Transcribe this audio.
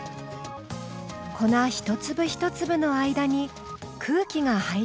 粉一粒一粒の間に空気が入り込むからです。